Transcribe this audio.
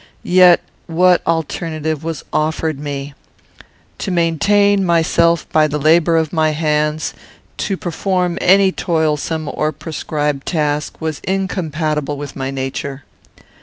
"Yet what alternative was offered me? To maintain myself by the labour of my hands, to perform any toilsome or prescribed task, was incompatible with my nature.